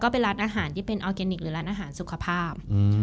ไปร้านอาหารที่เป็นออร์เกนิกร้านอาหารสุขภาพ